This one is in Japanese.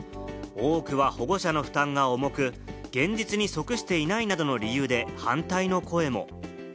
多くは、保護者の負担が重く、現実に即していないなどの理由で反対の声も。